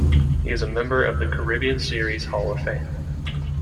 He is a member of the Caribbean Series Hall of Fame.